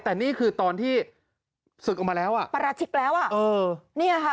แต่นี่คือตอนที่สึกออกมันมาแล้วปราชิกแล้วนี่ค่ะ